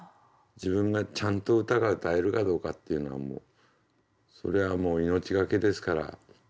自分がちゃんと歌が歌えるかどうかっていうのはそれはもう命懸けですから。